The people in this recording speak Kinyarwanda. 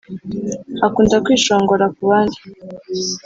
akunda kwishongora kubandi,